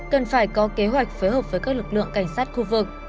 cần phải có kế hoạch phối hợp với các lực lượng cảnh sát khu vực